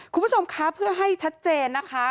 คุณผู้ชมคะเพื่อให้ชัดเจนนะคะ